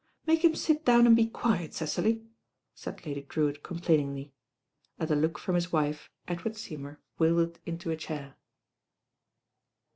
"Make him sit down and be quiet, Cecily," said Lady Drewitt complainingly. At a look from his wife Edward Seymour wilted into a chair.